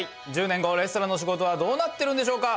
１０年後レストランの仕事はどうなってるんでしょうか？